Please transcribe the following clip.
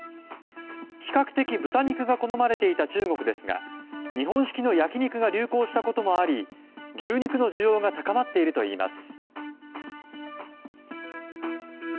比較的、豚肉が好まれていた中国ですが日本式の焼き肉が流行したこともあり牛肉の需要が高まっているといいます。